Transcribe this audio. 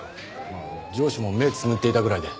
まあ上司も目つむっていたぐらいで。